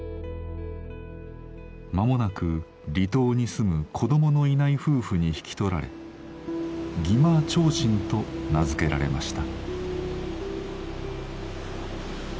まもなく離島に住む子どものいない夫婦に引き取られ儀間長信と名付けられました。